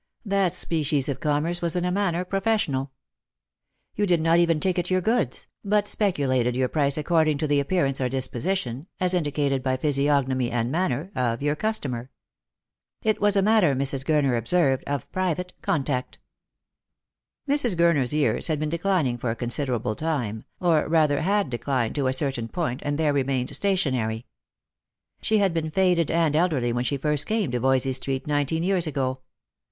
That specieb of commerce was in a manner pro fessional. You did not even ticket your goods, but speculated your price according to the appearance or disposition — as indi 48 Lost for love. cated by physiognomy and manner — of your customer. It wag a matter, Mrs. Gurner observed, of private " contact." Mrs. Guruer's years had been declining for a considerable time, or rather had declined to a certain point, and there remained stationary. She had been faded and elderly when she first came to Yoysey street, nineteen years ago.